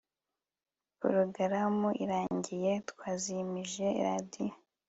porogaramu irangiye, twazimije radio